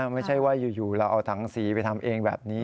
ไม่ใช่ว่าอยู่เราเอาถังสีไปทำเองแบบนี้